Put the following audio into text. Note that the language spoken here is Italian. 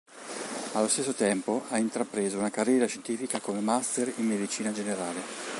Allo stesso tempo, ha intrapreso una carriera scientifica come Master in medicina generale.